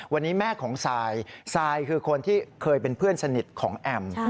วันนี้แม่ของซายซายคือคนที่เคยเป็นเพื่อนสนิทของแอม